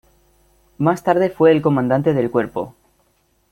Más tarde fue el comandante del cuerpo.